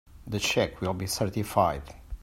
The check will be certified.